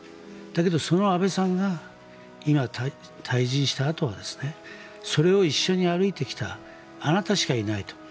だけどその安倍さんが退陣したあとはそれを一緒に歩いてきたあなたしかいないと。